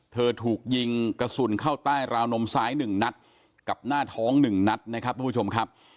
ถูกยิงกระสุนเข้าใต้ราวนมซ้าย๑นัดกับหน้าท้อง๑นัดนะครับทุกผู้ชมครับ